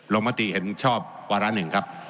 มติเห็นชอบวาระหนึ่งครับ